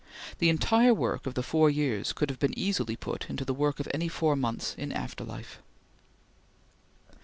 The entire work of the four years could have been easily put into the work of any four months in after life.